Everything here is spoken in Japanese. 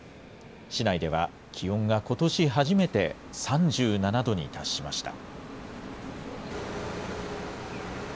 市内では、気温がことし初めて３７度に達しました。